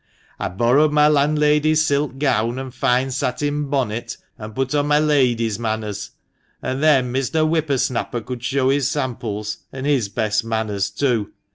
I borrowed my landlady's silk gown and fine satin bonnet, and put on my lady's manners ; and then Mr. Whipper snapper could show his samples, and his best manners, too.